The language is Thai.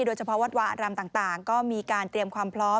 โดยเฉพาะวัดวาอารามต่างก็มีการเตรียมความพร้อม